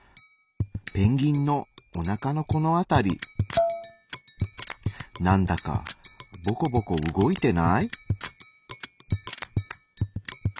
ペンギンのおなかのこの辺り何だかボコボコ動いてない？